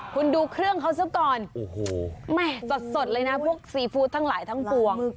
คุณดูเครื่องเขาซะก่อนโอ้โหแม่สดเลยนะพวกซีฟู้ดทั้งหลายทั้งปวง